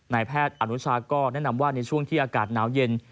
แพทย์อนุชาก็แนะนำว่าในช่วงที่อากาศหนาวเย็น